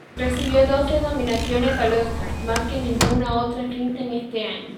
Recibió doce nominaciones al Óscar, más que ninguna otra cinta en ese año.